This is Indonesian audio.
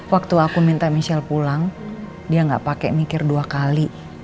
waktu aku minta michelle pulang dia nggak pakai mikir dua kali